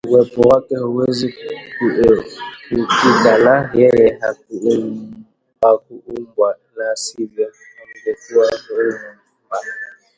Uwepo wake hauwezi kuepukika na Yeye hakuumbwa, la sivyo hangekuwa Muumba